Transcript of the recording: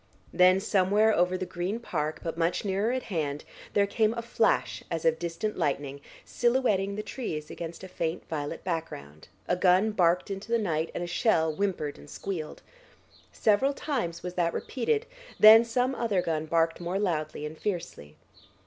Then somewhere over the Green Park, but much nearer at hand, there came a flash as of distant lightning, silhouetting the trees against a faint violet background, a gun barked into the night, and a shell whimpered and squealed. Several times was that repeated, then some other gun barked more loudly and fiercely.